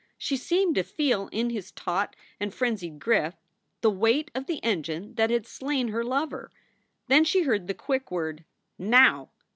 She seemed to feel in his taut and frenzied grip the weight of the engine that had slain her lover. Then she heard the quick word, Now